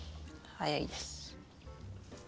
早いです。